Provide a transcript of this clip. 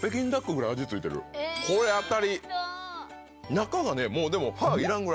中がねもうでも。